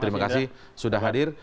terima kasih sudah hadir